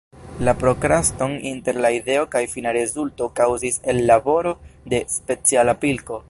La prokraston inter la ideo kaj fina rezulto kaŭzis ellaboro de speciala pilko.